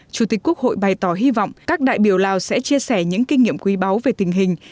chủ tịch quốc hội bày tỏ hy vọng các đại biểu lào sẽ chia sẻ những kinh nghiệm quý báu về tình hình